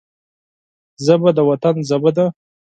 ژبه د وطن ژبه ده